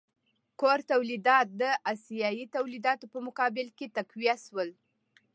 کور تولیدات د اسیايي تولیداتو په مقابل کې تقویه شول.